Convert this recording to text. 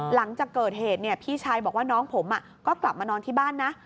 หลังจากเกิดเหตุพี่ชายบอกว่าน้องผมก็กลับมานอนที่บ้านนะ